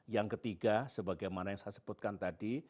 yang ketiga sebagaimana yang saya sebutkan tadi